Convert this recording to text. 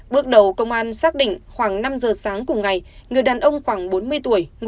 bước đầu công an xác định khoảng năm giờ sáng cùng ngày người đàn ông khoảng bốn mươi tuổi